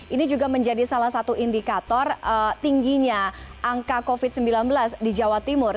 ini juga menjadi salah satu indikator tingginya angka covid sembilan belas di jawa timur